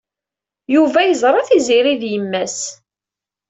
Yuba yeẓra Tiziri d yemma-s?